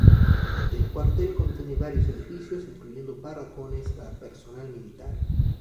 El cuartel contiene varios edificios, incluyendo barracones para personal militar.